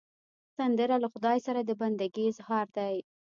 سندره له خدای سره د بندګي اظهار دی